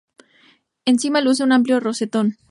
Encima luce un amplio rosetón.